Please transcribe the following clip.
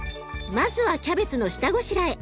まずはキャベツの下ごしらえ。